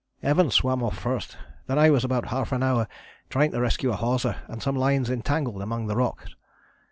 Evans swam off first. Then I was about half an hour trying to rescue a hawser and some lines entangled among the rocks.